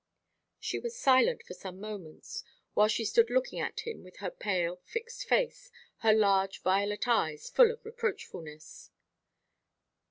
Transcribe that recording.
She was silent for some moments, while she stood looking at him with her pale fixed face, her large violet eyes full of reproachfulness.